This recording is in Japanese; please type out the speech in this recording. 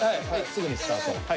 すぐにスタート。